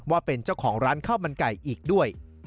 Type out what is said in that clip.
ว่าเป็นเจ้าของร้านข้าวมันไก่อีกด้วย